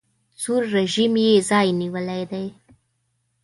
سور رژیم یې ځای نیولی دی.